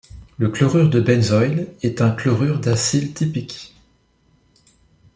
Le chlorure de benzoyle est un chlorure d'acyle typique.